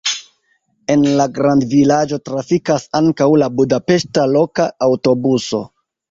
En la grandvilaĝo trafikas ankaŭ la budapeŝta loka aŭtobuso.